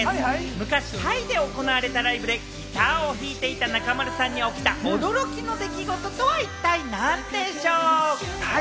昔、タイで行われたライブでギターを弾いていた中丸さんに起きた驚きの出来事とは一体何でしょう？